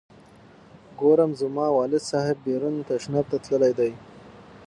ګورم زما والد صاحب بیرون تشناب ته تللی دی.